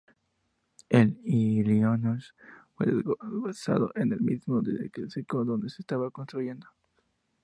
El "Illinois" fue desguazado en el mismo dique seco donde se estaba construyendo.